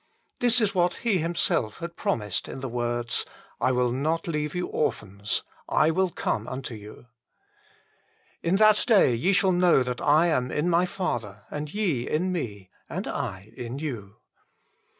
This is what He Himself had promised in the words : "I will not leave you orphans :/ come unto you. In that day ye shall know that I am in My Father, and ye in Me, and I in you."